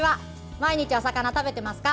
毎日お魚食べてますか？